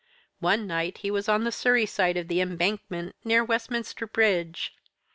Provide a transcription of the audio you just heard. One night he was on the Surrey side of the Embankment, near Westminster Bridge.